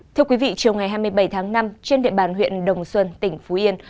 thưa quý vị chiều ngày hai mươi bảy tháng năm trên địa bàn huyện đồng xuân tỉnh phú yên